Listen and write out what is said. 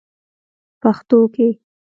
پښتو کې: